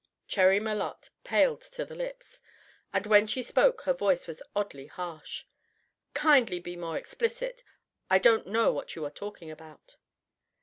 Cherry Malotte paled to her lips, and when she spoke her voice was oddly harsh. "Kindly be more explicit; I don't know what you are talking about."